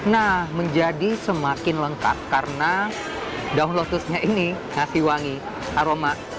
nah menjadi semakin lengkap karena daun lotusnya ini ngasih wangi aroma